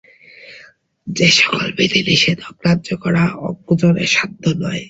যে-সকল বিধিনিষেধ অগ্রাহ্য করা অজ্ঞ-জনের সাধ্য নয়।